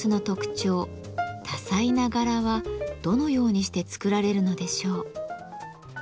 多彩な柄はどのようにして作られるのでしょう？